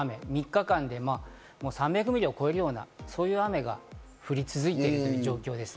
３日間で３００ミリを超えるような、そんな雨が降り続いているという状況です。